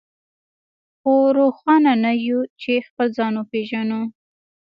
خو روښانه نه يو چې خپل ځان وپېژنو.